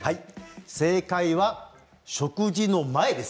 正解は食事の前です。